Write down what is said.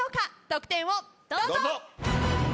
得点をどうぞ！